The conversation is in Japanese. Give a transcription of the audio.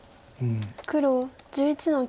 黒１１の九。